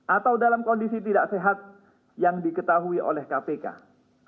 atau dalam kondisi tidak sehat yang diketahui oleh kpk